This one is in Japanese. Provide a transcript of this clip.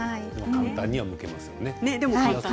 簡単には、むけますね。